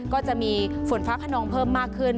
ก็จะมีฝนฟ้าขนองเพิ่มมากขึ้น